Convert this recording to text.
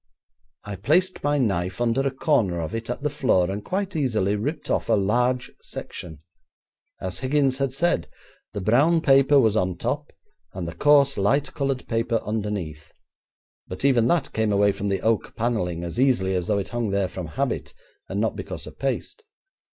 I placed my knife under a corner of it at the floor, and quite easily ripped off a large section. As Higgins had said, the brown paper was on top, and the coarse, light coloured paper underneath. But even that came away from the oak panelling as easily as though it hung there from habit, and not because of paste.